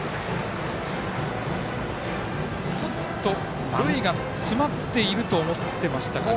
ちょっと塁が詰まっていると思ってましたかね。